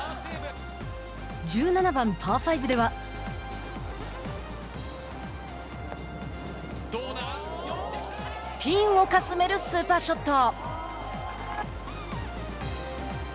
１７番パー５ではピンをかすめるスーパーショット。